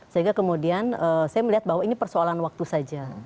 sehingga kemudian saya melihat bahwa ini persoalan waktu saja